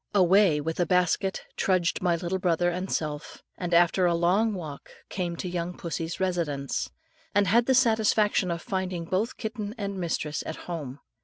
Away with a basket trudged my little brother and self, and after a long walk came to young pussy's residence, and had the satisfaction of finding both kitten and mistress at home.